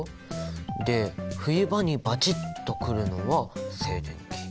で冬場にバチッとくるのは静電気。